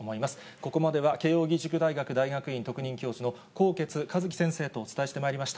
ここまでは、慶応義塾大学大学院特任教授の纐纈一起先生とお伝えしてまいりました。